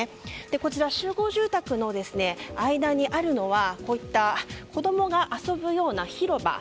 こちら、集合住宅の間にあるのは子供が遊ぶような広場。